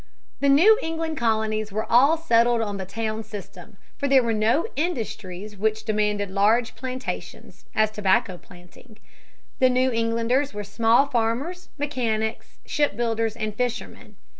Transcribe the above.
The New England colonies were all settled on the town system, for there were no industries which demanded large plantations as tobacco planting. The New Englanders were small farmers, mechanics, ship builders, and fishermen.